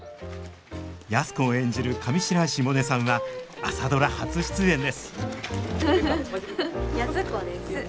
安子を演じる上白石萌音さんは「朝ドラ」初出演です安子です。